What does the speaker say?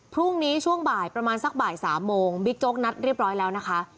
พรุ่งนี้ช่วงบ่ายประมาณสักบ่าย๓โมงบิ๊กโจ๊กนัดเรียบร้อยแล้วนะคะ